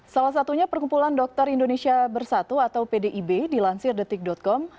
salah satunya perkumpulan dokter indonesia bersatu atau pdib dilansir detik com